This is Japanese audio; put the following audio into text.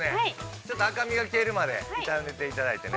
◆ちょっと赤みが消えるまで、炒めていただいてね。